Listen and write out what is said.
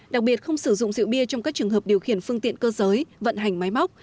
đặc biệt không sử dụng rượu bia trong các trường hợp điều khiển phương tiện cơ giới vận hành máy móc